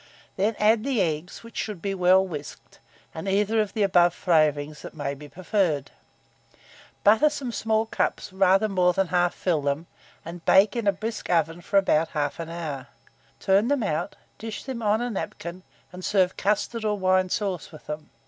Then add the eggs, which should be well whisked, and either of the above flavourings that may be preferred; butter some small cups, rather more than half fill them, and bake in a brisk oven for about 1/2 hour. Turn them out, dish them on a napkin, and serve custard or wine sauce with them.